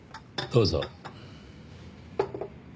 どうぞ。